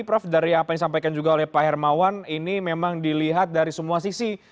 prof dari apa yang disampaikan juga oleh pak hermawan ini memang dilihat dari semua sisi